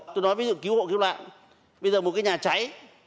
tôi nói ví dụ cứu hộ cứu nạn bây giờ một cái nhà cháy